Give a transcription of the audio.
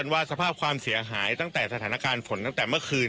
ว่าสภาพความเสียหายตั้งแต่สถานการณ์ฝนตั้งแต่เมื่อคืน